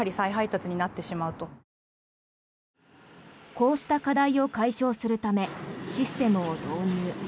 こうした課題を解消するためシステムを導入。